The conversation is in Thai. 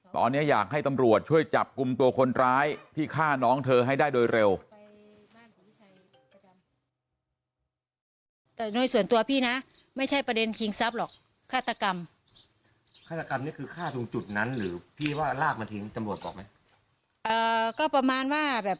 ตอนนี้อยากให้ตำรวจช่วยจับกลุ่มตัวคนร้ายที่ฆ่าน้องเธอให้ได้โดยเร็ว